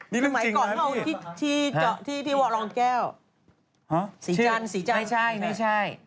มีรึงจริงนะนี่